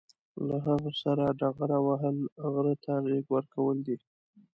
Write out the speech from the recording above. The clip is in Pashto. له هغه سره ډغره وهل، غره ته غېږ ورکول دي.